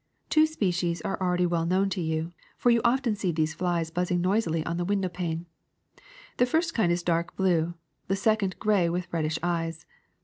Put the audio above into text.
Two species are already well known to you. for you often see these flies buzzing noisily on the window pane. The first kind is dark blue, the second grey with reddish eyes.